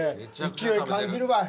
勢い感じるばい。